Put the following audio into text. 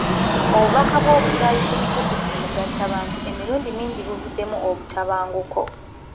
Obubaka bw'obukyayi ku mikutu gi mugattabantu emirundi mingi buvuddemu obutabanguko.